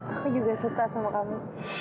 aku juga suka sama kamu